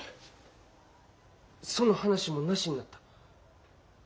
その話もなしになった。